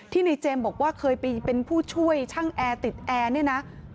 ในเจมส์บอกว่าเคยไปเป็นผู้ช่วยช่างแอร์ติดแอร์เนี่ยนะ